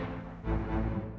kenapa bisa begini